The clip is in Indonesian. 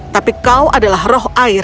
tapi kau adalah roh air